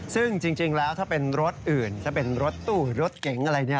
ซึ่งจริงแล้วถ้าเป็นรถอื่นถ้าเป็นรถตู้รถเก๋งอะไรเนี่ย